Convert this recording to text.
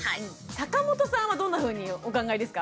坂本さんはどんなふうにお考えですか？